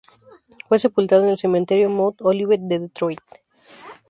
Fue sepultado en el cementerio Mount Olivet de Detroit.